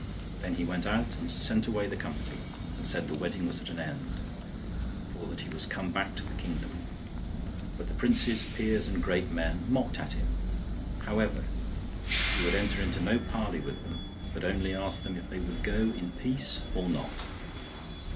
Then he went out and sent away the company, and said the wedding was at an end, for that he was come back to the kingdom. But the princes, peers, and great men mocked at him. However, he would enter into no parley with them, but only asked them if they would go in peace or not.